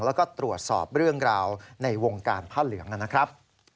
แล้วก็ตรวจสอบเรื่องราวในวงการผ้าเหลืองนะครับ